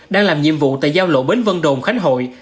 đang làm nhiệm vụ tại giao lộ bến vân đồn khánh hội